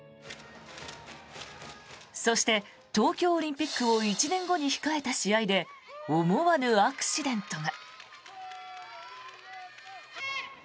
そして、東京オリンピックを１年後に控えた試合で思わぬアクシデントが。